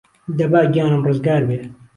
دەبا گیانم رزگار بێ